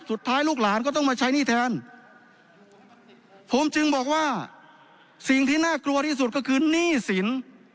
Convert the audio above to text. สุดท้ายลูกหลานก็ต้องมาใช้หนี้แทนผมจึงบอกว่าสิ่งที่น่ากลัวที่สุดก็คือหนี้สิน